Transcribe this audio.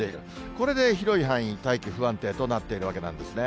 これで広い範囲、大気不安定となっているわけなんですね。